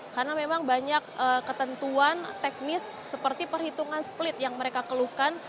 karena memang banyak ketentuan teknis seperti perhitungan split yang mereka keluhkan